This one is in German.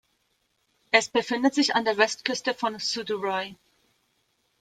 Es befindet sich an der Westküste von Suðuroy.